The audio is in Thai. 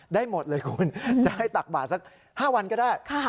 ได้หมดเลยคุณจะให้ตักบาทสัก๕วันก็ได้